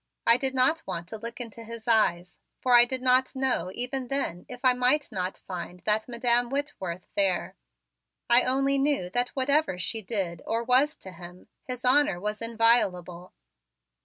I did not want to look into his eyes, for I did not know even then if I might not find that Madam Whitworth there. I only knew that whatever she did or was to him, his honor was inviolable.